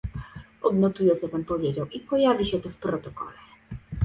Odnotuję, co pan powiedział i pojawi się to w protokole